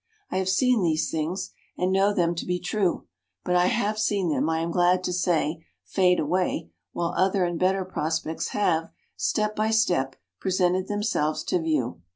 I have seen these things, and know them to be true; but I have seen them, I am glad to say, fade away, while other and better prospects have, step by step, presented themselves to view.